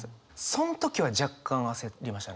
その時は若干焦りましたね。